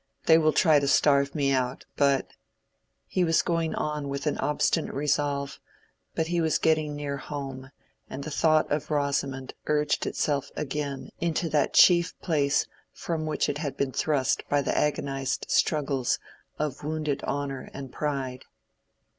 They will try to starve me out, but—" he was going on with an obstinate resolve, but he was getting near home, and the thought of Rosamond urged itself again into that chief place from which it had been thrust by the agonized struggles of wounded honor and pride.